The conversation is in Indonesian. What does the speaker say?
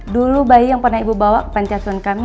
dulu bayi yang pernah ibu bawa ke pancasila kami